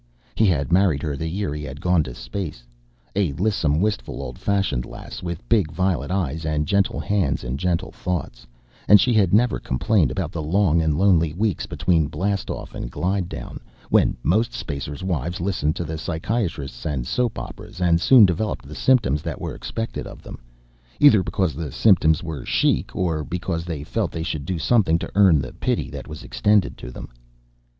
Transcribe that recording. He had married her the year he had gone to space a lissome, wistful, old fashioned lass, with big violet eyes and gentle hands and gentle thoughts and she had never complained about the long and lonely weeks between blast off and glide down, when most spacers' wives listened to the psychiatrists and soap operas and soon developed the symptoms that were expected of them, either because the symptoms were chic, or because they felt they should do something to earn the pity that was extended to them.